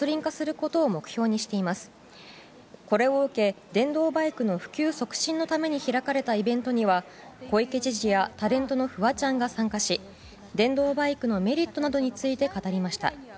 これを受け電動バイクの普及促進のために開かれたイベントには小池知事やタレントのフワちゃんが参加し電動バイクのメリットなどについて語りました。